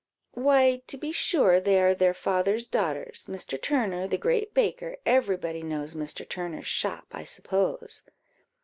"Why, to be sure, they are their father's daughters, Mr. Turner, the great baker; every body knows Mr. Turner's shop, I suppose."